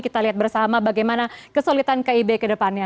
kita lihat bersama bagaimana kesulitan kib kedepannya